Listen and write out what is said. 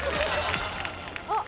あっ！